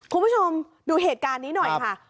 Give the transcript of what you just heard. คุณผู้ชมดูเหตุการณ์นี้หน่อยค่ะ